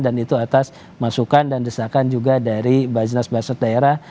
dan itu atas masukan dan desakan juga dari baznas bazas daerah